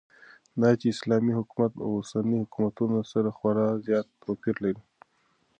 داچې اسلامي حكومت داوسنيو حكومتونو سره خورا زيات توپير لري